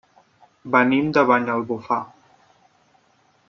Venim de Banyalbufar.